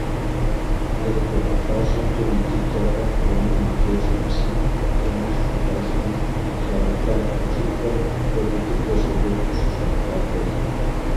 ЗэрыхуагъэфащэмкӀэ, иджыблагъэ Кърымым и Керчь псым лъэмыж щытралъхьэм къыщагъуэта хьэпшыпхэм хуэдэ дыдэщ абы къыщыщӀахахэри.